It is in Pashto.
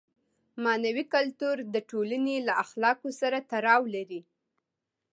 معنوي کلتور د ټولنې له اخلاقو سره تړاو لري.